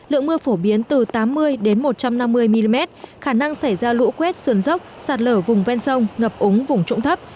lượng mưa phổ biến từ tám mươi một trăm năm mươi mm khả năng xảy ra lũ quét sườn dốc sạt lở vùng ven sông ngập ống vùng trụng thấp